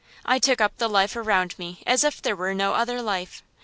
I took up the life around me as if there were no other life.